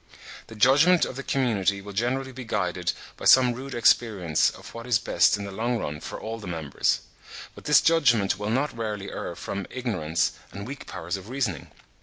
The judgment of the community will generally be guided by some rude experience of what is best in the long run for all the members; but this judgment will not rarely err from ignorance and weak powers of reasoning.